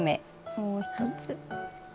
もう１つ。